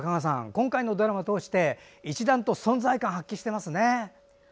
今回のドラマを通して一段と存在感を発揮していますね。